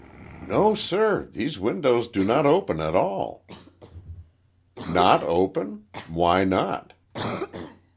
"No, sir; these windows do not open at all." "Not open? Why not?"